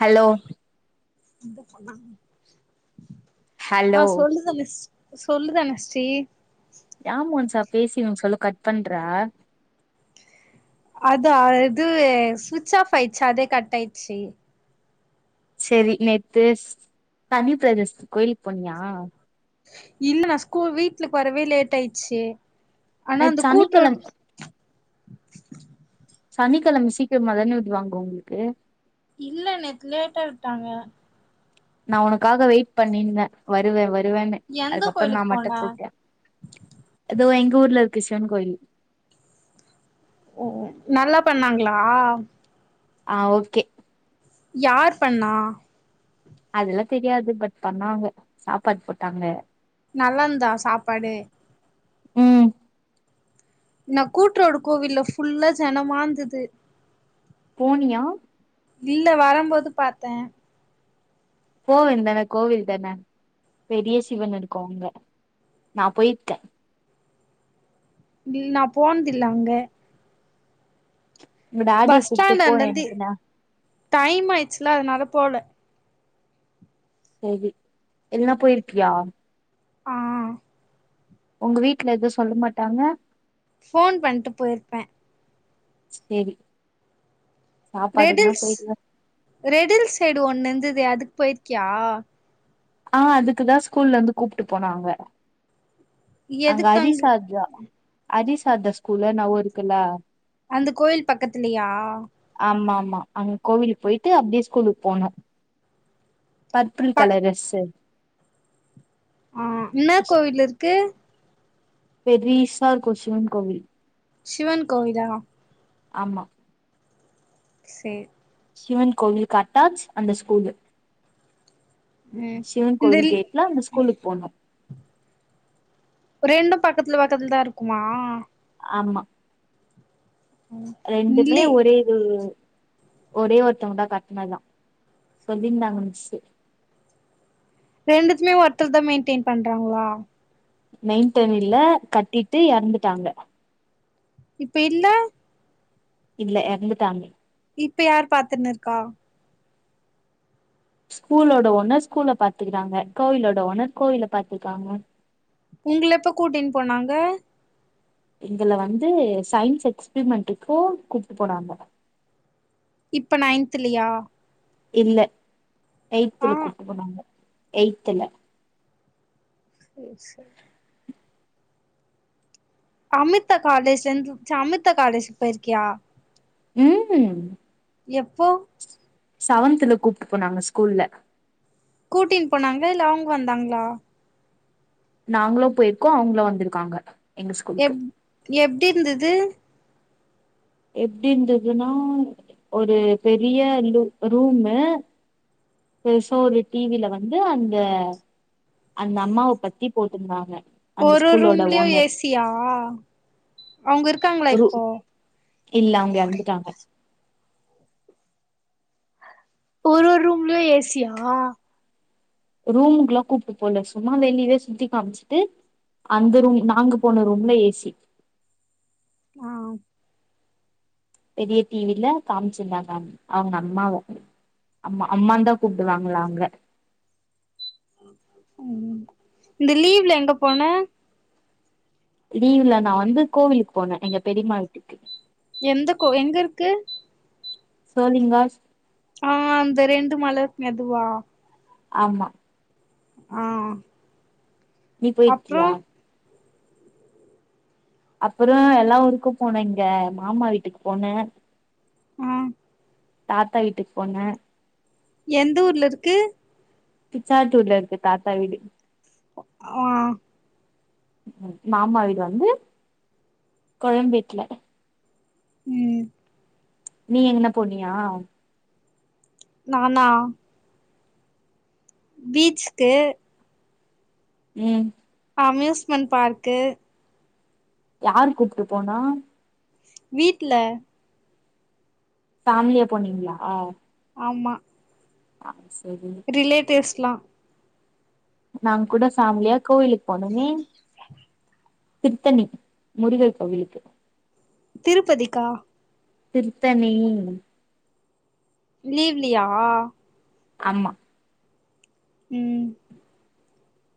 hello ஆ hello சொல்லுத தனு சொல்லு தனஸ்ரீ ஏன் மோனிசா பேசின் இருக்க சொல்ல கட் பண்றா அதா இது சுவிட் ஆஃப் ஆயிச்சு அதே கட் ஆய்ச்சு செரி நேத்து சனி பிரதேச கோயிலுக்கு போனியா இல்ல நா ஸ்கூல் வீட்ல வரவே லேட் ஆயிச்சு ஆனா நேத்து அந்த கூட்டற சனிக்கெழம சனிக்கிழம சீக்கிரமா தானே விடு வாங்க உங்களுக்கு இல்ல நேத்து லேட்டா விட்டாங்க நா உனக்காக வெயிட் பண்ணியிருந்தே வருவ வருவன்னு எந்த அதுக்கப்பறம் நா கோயிலுக்கு போன மட்டும் போய்ட்டே இதோ எங்க ஊருல இருக்கு சிவன் கோயில் ஓ ஓ நல்லா பண்ணாங்களா ஆ ஓகே யார் பண்ணா அதெல்லா தெரியாது பட் பண்ணாங்க சாப்பாடு போட்டாங்க நல்லா இருந்து தா சாப்பாடு உம் நா கூட்ரோடு கோவில்ல ஃபுல்லா ஜனமாந்தது போனியா இல்ல வரம்போது பாத்த போ வேன் தான கோவில் தான பெரிய சிவன் இருக்கு அங்க நா போயிருக்க இல் நா போன்தில்ல அங்க உங்க டாடிய பஸ் கூப்ட்டு ஸ்டாண்ட் போ அந்தந்தி எனக்கு நா டைம் ஆய்ச்சுல அதனால போல சேரி இல்லனா போய்ருப்பியா ஆ உங்க வீட்ல எது சொல்ல மாட்டாங்க போன் பண்ணிட்டு போய்ருப்ப சேரி சாப்பாடுக்குனா ரெடில்ஸ் போயிட்டு ரெடில் சைடு ஒன்னு இருந்தது அதுக்கு போயிருக்கியா ஆ அதுக்குதா ஸ்கூல்ல இருந்து கூப்டு போனாங்க அங்க அரிசாதா அரிசாத ஸ்கூல்ல நா ஒருக்கல்லா அந்த கோயில் பக்கத்துலையா ஆம்மாம்‌மா அங்க கோவிலுக்கு போயிட்டு அப்டியே ஸ்கூலுக்கு போனோ பர்பிள் ப கலரு ரெஸ்சி ஆ என்ன கோவில் இருக்கு பெரிசா இருக்கு சிவன் கோவில் சிவன் கோவிலா ஆமா சே சிவன் கோவில் கட்டாஜ் அந்த ஸ்கூலு ம் சிவன் இந்த கோவில் கேட்ல அந்த ஸ்கூலுக்கு போனோ ரெண்டு பக்கத்ல பக்கத்ல தா இருக்குமா ஆம்மா ரெண்டுமே இல்லி ஒரே இவ் ஒரே ஒருத்தவங்க தா கட்னதா சொல்லியிருந்தாங்க மிஸ்சி ரெண்டுத்துமே ஒருத்தர் தா மெயின்டென் பண்றாங்ளா மெய்டென் இல்ல கட்டிட்டு எறந்துட்டாங்க இப்ப இல்ல இதுல எறந்துட்டாங்க இப்ப யாரு பாத்துன்னு இருக்கா ஸ்கூலோட ஓனர் ஸ்கூல பாத்துக்கிறாங்க கோவிலோட ஓனர் கோவில பாத்துக்காங்க உங்ள எப்ப கூட்டின் போனாங்க எங்கள வந்து சயின்ஸ் எக்ஸ்பிரிமெண்ட்டுக்கோ கூப்ட்டு போனாங்க இப்ப நைன்த்லியா இல்ல ஆ எயித்துல கூப்ட்டு போனாங்க எயித்துல ஓ ச அமிதா காலேஜிலந்து அமிர்தா காலேஜ் போயிற்க்கியா ம் எப்போ செவன்துல கூப்ட்டு போனாங்க ஸ்கூல்ல கூட்டின்னு போனாங்க இல்ல அவங்க வந்தாங்களா நாங்களு போயிருக்கோ அவங்களு வந்துருக்காங்க எப் எப்டி இருந்துது எப்டிந்துதுன்னா ஒரு பெரிய லு ரூம்மு பெர்சா ஒரு டீவில வந்து அந்த அந்த அம்மாவ பத்தி போட்ருந்தாங்க ஒரு ஒரு ரூம்லயு ஏ சி யா அவுங்க இருப் ஒரு இல்ல அவுங்க எறந்துட்டாங்க ஒரு ஒரு ரூம்லயு ஏ சி யா ரூமுக்குல்லா கூப்ட்டு போல சும்மா வெளியவே சுத்தி காமிச்ட்டு அந்த ரூம் நாங்க போன ரூம்ல ஏ சி ஆ பெரிய டீவில காம்ச்சிருந்தாங்க அவுங்க அம்மாவ அம்மா அம்மான்தா கூப்டுவாங்ளா அவுங்ல ம் ம் இந்த லீவ்ல எங்க போன லீவ்ல நா வந்து கோவிலுக்கு போனே எங்க பெரிம்மா வீட்டுக்கு எந்த கோய் எங்கருக்கு சோழிங்காஸ் ஆ அந்த ரெண்டு மல இருக்குமே அதுவா ஆமா ஆ நீ அப்றோ பொய்ருக்யா அப்பதா எல்லா ஊருக்கு போனேங்க மாமா வீட்டுக்கு போனே ஆ தாத்தா வீட்டுக்போனே எந்த ஊர்ல இருக்கு பிச்சாட்டூர்ல இருக்கு தாத்தா வீடு ஆ ம் மாமா வீடு வந்து கோயம்பேட்ல ம் நீ எங்னா போனியா நானா பீச்க்கு ம் அம்யூஸ்மெண்ட் பார்க்கு யார் கூப்ட்டு போனா வீட்ல ஃபேம்லியா போனீங்ளா ஆமா அது சேரி ரிலேட்டிவ்ஸ்லா நாங் கூட ஃபேம்லியா கோயிலுக்கு போனமே திர்த்தணி முருகர் கோவிலுக்கு திருப்பதிக்கா திர்தணி லீவ்லியா ஆமா ம்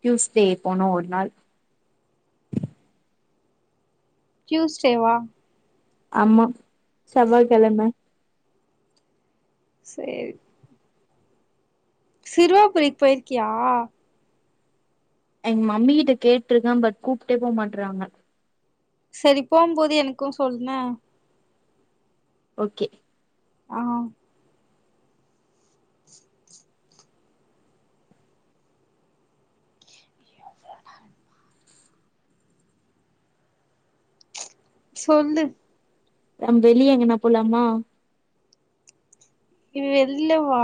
டியூஸ்டே போனோ ஒர் நாள் டியூஸ்டேவா ஆம்மா செவ்வாய்க்கிழம சேரி சிறுவாபுரிக் போயிருக்கியா எங்க மம்மி கிட்ட கேட்டிருக்கே பட் கூப்ட்டே போமாட்றாங்க சேரி போம் போது எனக்கூ சொல் ன்னா ஓ கே அ சொல்லு நம் வெளியே எங்கன்னா போலாமா வெள்லேவா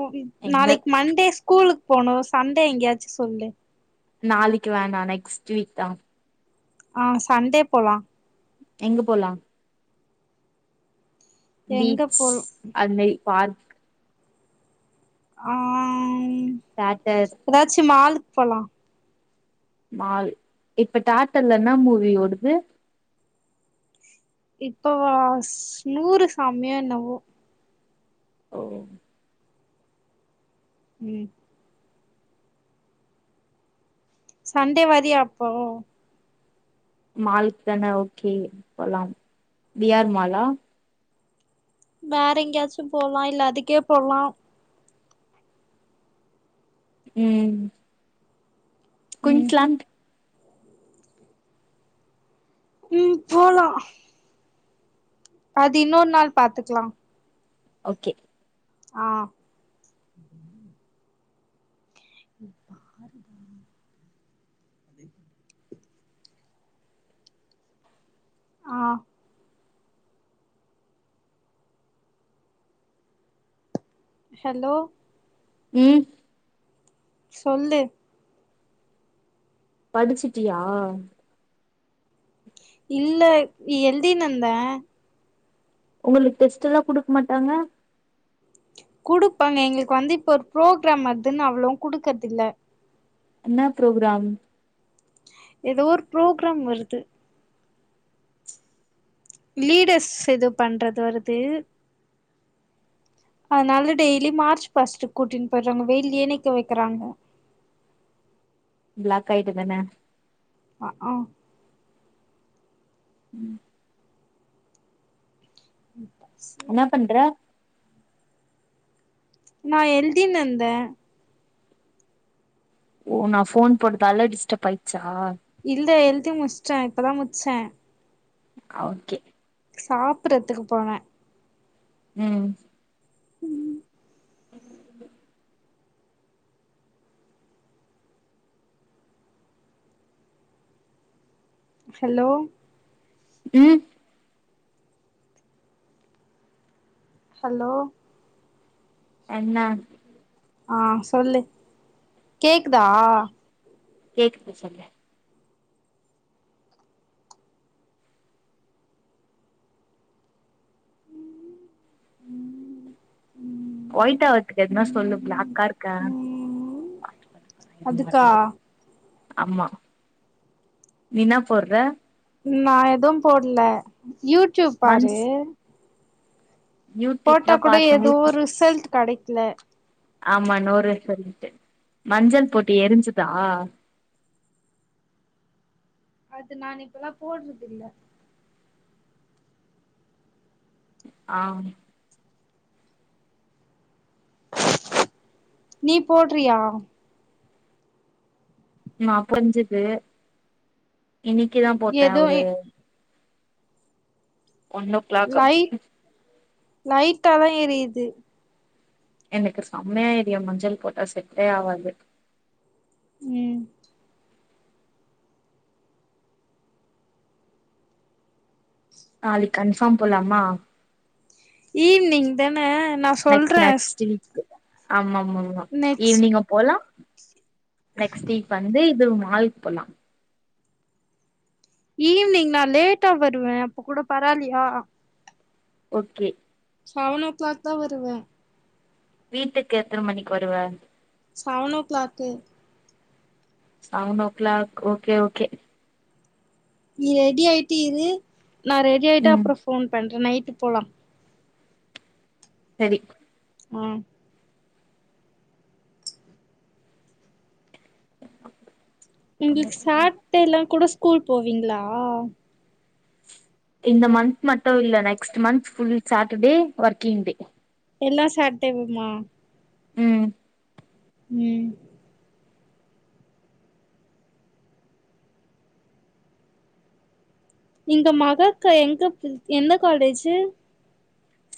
ஓ வித் எங்க நாளைக்கு மண்டே ஸ் கூலுக் போனோ சண்டே எங்கேயாச்சு சொல்லு நாளக்கி வேணா நெக்ஸ்ட் வீக் தா அ சன்டே போலா எங்க போலா எங்க பீச் போல் அது மேரி பார்க் ஆம் த்யேட்டர்ஸ் ஏதாச்சு மாலுக் போலா மால் இப்ப டாடர்ல இன்னா மூவி ஓடுது இப்பவாஸ் நூறு சாமியோ என்னவோ ஓஹோ ம் சன்டே வரிய்யா அப்போ மாலுக் தானே ஓ கே போலாம் பி ஆர் மாலா வேற எங்கேயாச்சூ போலா இல்ல அதுக்கே போலா ம் ம் குயின்ஸ்லான்ட் ம் போலா அது இன்னொர் நாள் பாத்துக்கலா ஓ கே ஆ ம் ஆம் ஆறு தா [inaudible] இது ஆ ஷல்லோ ம் சொல்லு படிச்சிட்டியா இல்ல எல்தி ர்ந்தே உங்களுக்கு டெஸ்ட்ல்லா குடுக்க மாட்டாங்க குடுப்பாங்க எங்களுக்கு வந்து இப்ப ஒரு புரோ க்ராம் மார்த்தான அவ்ளோ குடுக்கறத்த இல்ல என்னா புரோகிராம் எதோ ஒரு புரோக்ராம் வருது லீடர்ஸ் இது பண்றது வருது அதனால டெய்லி மார்ச் ஃபஸ்ட்டு கூட்டின் போயறங்க வெயில்ல நிக்க வக்கிறாங்க பிளாக் ஆயிட்ட தன அ ஆ ம் ம் சு என்ன பண்ற நா எல்தி னந்த ஓ நா போன் போட்டதால்லா டிஸ்டர்ப் ஆயிச்சா இல்ல எழுதி முச்ட்டே இப்பதா முச்சே அ ஓகே சாப்பறதுக்கு போனே ம் [inaudible] ஹலோ ம் ஹலோ என்ன ஆ சொல்லு கேக்குதா கேக்குது சொல்லு ஒயிட்டா ஆவுரதுக்கு எதுனா சொல்லு பிளாக்கா இருக்க ம் அதுக்கா அம்மா நீ என்னா போடுற நா எதும் போட்ல யூடியூப் மஞ்ச பாரு போட்டா யூடியூப்ல கூட பாத்தே எது ஊத்திச்சு ரிசல்ட் கெடைக்கல ஆமா நூறு சொல்ட்டு மஞ்சள் போட்டு எரிஞ்சுதா அது நான் இப்பல்லா போடுறதுல்ல ஆ நீ போடுறியா நா புரிஞ்சுது இன்னிக்குதா போட்டே ஏதோ அவுரு ஒன் ஓ க்ளாக் அப்டி லைட் லைட்டாதா எரியுது எனக்கு செம்மயா எரியு மஞ்சள் போட்டா செட்டே ஆவாது ம் நாளைக்கு கன்ஃபார்ம் போலாமா ஈவ்னிங் தானே நா நக் சொல்றே நக்ஸ்ட்டு வீக் ஆமா ஆமாம்மா நெக்ஸ்ட் ஈவினிங் போலா நெக்ஸ்ட் வீக் வந்து இது மாலுக்கு போலா ஈவினிங் நா லேட்டா வருவே அப்ப கூட பரவாலியா ஓகே செவன் ஓ க்ளாக் தா வருவே வீட்டுக்கு எத்தன மணிக்கு வருவ செவனோ o'clock seven o' o'clock okay okay ready ஆயிட்டு இரு நா ரெடி ஆயிட்டு ம் அப்றோ போன் பண்றே நைட்டு போலா செரி ம் உங்களுக்கு சாட்டேலா கூட ஸ்கூலுக்கு போவீங்களா இந்த மந்த் மட்டோ இல்ல next month full Saturday working day எல்லா சாட்டடேவுமா உம் உம் இங்க மகாக்கா எங்க எந்த காலேஜு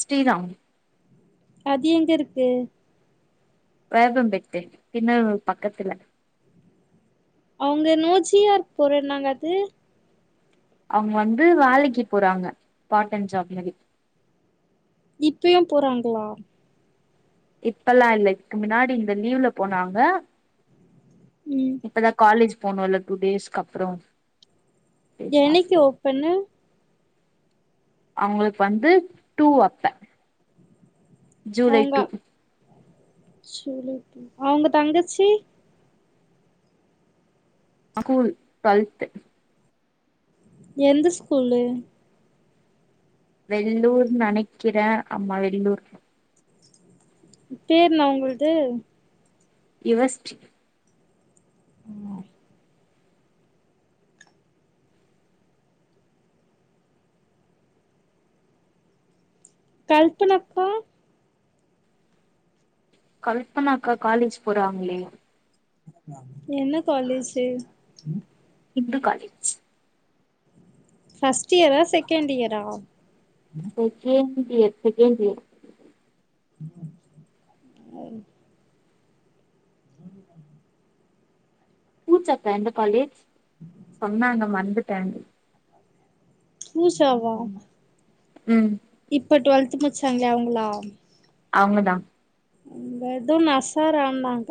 ஶ்ரீ ராம் அது எங்க இருக்கு வேப்பப்பட்டே பின்னவூர் பக்கத்துல்ல அவங்க நோஜியார்க்கு போறன்னாங்க அது அவுங்க வந்து வேலைக்கு போறாங்க பார்ட்டன் ஜாப் மாரி இப்பையு போறாங்களா இப்பல்லா இல்ல இதுக்கு முன்னாடி இந்த லீவ்ல போனாங்க உம் இப்பதா காலேஜ் போனோம்ல டூ டேஸ்க்கு அப்பறோ என்னைக்கு ஓப்பன்னு அவங்களுக்கு வந்து டூ அப்ப ஜூலை அவங்க டூ செரி அவங்க தங்கச்சி கூல் டுவெல்த்து எந்த ஸ்கூல்லு வெள்ளூர் நெனைக்கிறே ஆமா வெள்ளூர் பேருன அவுங்கள்து யூவஷ் உம் கல்பனாக்கா கல்பனாக்கா காலேஜ் போறாங்களே என்ன காலேஜு ஹிந்து காலேஜ் ஃபர்ஸ்ட் இயரா செகண்ட் இயரா செகண்ட் இயர் செகண்ட் இயர் [inaudible] பூஜாக்கா எந்த காலேஜ் சொன்னாங்க மறந்துட்ட புசாவா உம் இப்ப டுவெல்த் முச்சாங்களே அவங்களா அவங்கதா அவங்க ஏதோ நசரான்னாங்க